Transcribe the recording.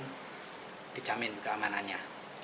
yang sudah menjaga keamanannya